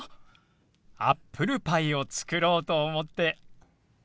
アップルパイを作ろうと思って。